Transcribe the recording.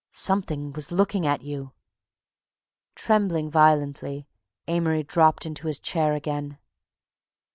"Something was looking at you." Trembling violently, Amory dropped into his chair again.